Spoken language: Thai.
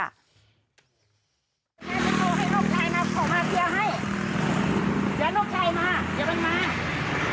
ให้นกไทยมาขอมาเทียให้แล้วนกไทยมาเดี๋ยวมันมา